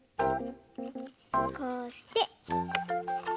こうして。